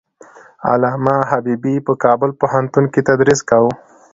علامه حبيبي په کابل پوهنتون کې تدریس کاوه.